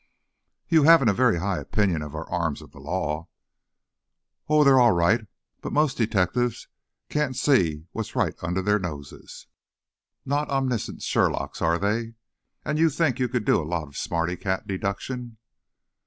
"You haven't a very high opinion of our arms of the law." "Oh, they're all right, but most detectives can't see what's right under their noses!" "Not omniscient Sherlocks, are they? And you think you could do a lot of smarty cat deduction?"